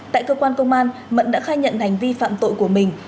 tại cơ quan công an mận đã khai nhận hành vi phạm tội của mình